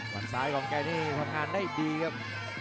ลองแกนี่ผ่านงานได้ดีครับ